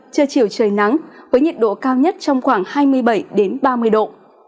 trưa chiều trời nắng với nhiệt độ cao nhất trong khoảng hai mươi bảy ba mươi độ